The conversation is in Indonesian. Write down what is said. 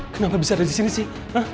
kenapa bisa ada disini sih